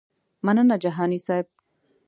مننه جهاني صیب.